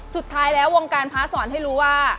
สุดท้ายแล้ววงการพระสอนให้รู้ว่า